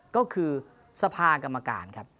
ก็คือสภากรรมการครับ